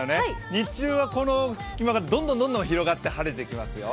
日中はこの隙間がどんどん広がって晴れてきますよ。